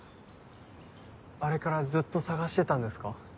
あれからずっと捜してたんですか？